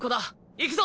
行くぞ！